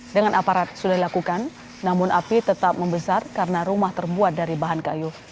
dengan aparat sudah dilakukan namun api tetap membesar karena rumah terbuat dari bahan kayu